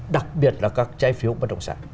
đặc biệt là các trái phiếu bất động sản